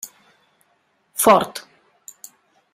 Fort.